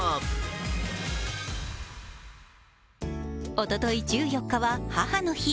おととい１４日は母の日。